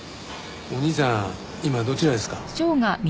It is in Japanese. お兄さん今どちらですか？